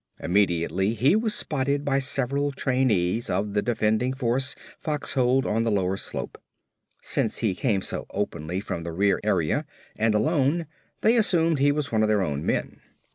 Immediately he was spotted by several trainees of the defending force foxholed on the lower slope. Since he came so openly from their rear area and alone, they assumed he was one of their own men.